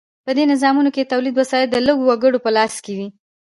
په دې نظامونو کې د تولید وسایل د لږو وګړو په لاس کې وي.